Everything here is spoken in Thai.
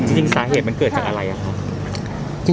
จริงสาเหตุมันเกิดจากอะไรครับ